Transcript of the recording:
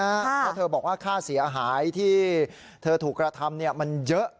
เพราะเธอบอกว่าค่าเสียหายที่เธอถูกกระทำมันเยอะ